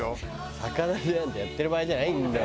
逆立ちなんてやってる場合じゃないんだよ。